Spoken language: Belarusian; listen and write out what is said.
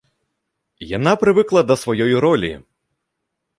Яна прывыкла да сваёй ролі.